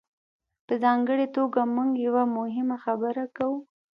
په ځانګړې توګه موږ یوه مهمه خبره کوو.